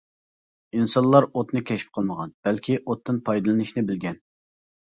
ئىنسانلار ئوتنى كەشىپ قىلمىغان، بەلكى ئوتتىن پايدىلىنىشنى بىلگەن.